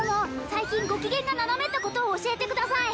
最近ご機嫌が斜めったことを教えてください